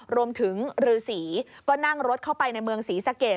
รวมถึงฤษีก็นั่งรถเข้าไปในเมืองศรีสะเกด